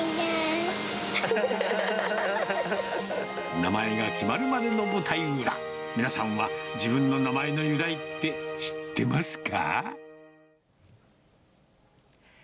名前が決まるまでの舞台裏、皆さんは自分の名前の由来って知ってますか？